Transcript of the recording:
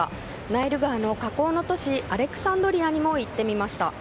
ナイル川の河口の都市アレクサンドリアにも行ってみました。